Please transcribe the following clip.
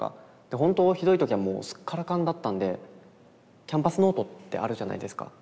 ほんとひどい時はもうスッカラカンだったんでキャンパスノートってあるじゃないですか。